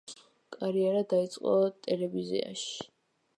კარიერა დაიწყო ტელევიზიაში.